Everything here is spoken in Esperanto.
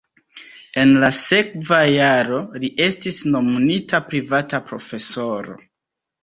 En la sekva jaro li estis nomumita privata profesoro.